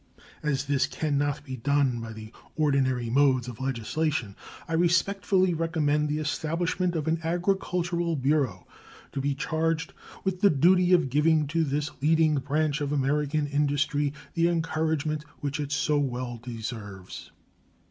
As this can not be done by the ordinary modes of legislation, I respectfully recommend the establishment of an agricultural bureau, to be charged with the duty of giving to this leading branch of American industry the encouragement which it so well deserves.